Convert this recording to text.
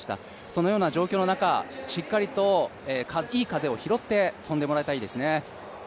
そのような状況の中、しっかりといい風を拾って跳んでもらいたいですね。